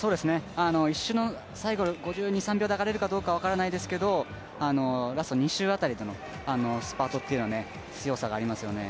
１周の最後、５２５３秒で上がれるかは分からないですけどラスト２周辺りのスパートは強さがありますよね。